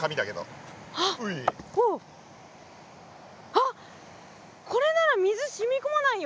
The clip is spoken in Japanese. あっこれなら水染み込まないよ。